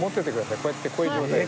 こうやってこういう状態で。